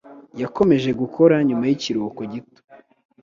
yakomeje gukora nyuma yikiruhuko gito.